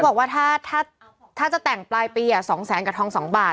บอกว่าถ้าจะแต่งปลายปี๒แสนกับทอง๒บาท